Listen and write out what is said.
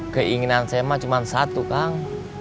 keinginan saya mah cuma satu kang